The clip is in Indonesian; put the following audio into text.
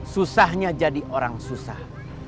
susahnya jadi orang susah